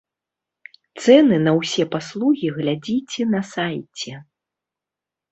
Цэны на ўсе паслугі глядзіце на сайце.